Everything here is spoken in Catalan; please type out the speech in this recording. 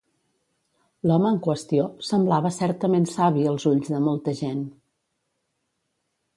L'home en qüestió semblava certament savi als ulls de molta gent.